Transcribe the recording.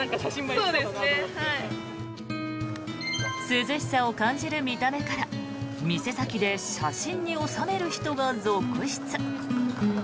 涼しさを感じる見た目から店先で写真に収める人が続出。